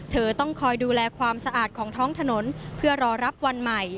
เธอต้องคอยดูแลความสะอาดของท้องถนนเพื่อรอรับวันใหม่